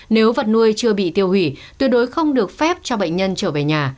nếu vật nuôi chưa bị tiêu hủy tuyệt đối không được phép cho bệnh nhân trở về nhà